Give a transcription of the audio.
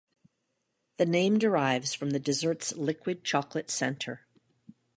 The name derives from the dessert's liquid chocolate center.